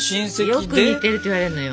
よく似てるって言われるのよ。